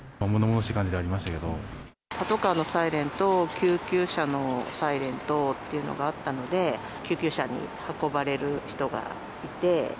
ものものしい感じではありましたパトカーのサイレンと、救急車のサイレンとっていうのがあったので、救急車に運ばれる人がいて。